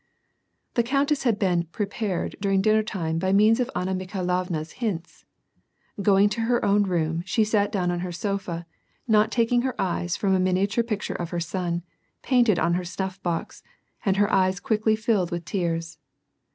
The countess had been " pre])ared " during dinner time by means of Anna Mikhailovna's hints. Going to her own room, she sat down on her sofa, not taking her eyes from a minia ture picture of her son, painted on her snuff box, and her eyes quickly filled with tears.